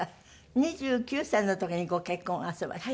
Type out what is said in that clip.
２９歳の時にご結婚あそばした。